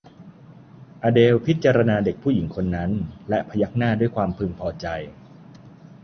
อเดลล์พิจารณาเด็กผู้หญิงคนนั้นและพยักหน้าด้วยความพึงพอใจ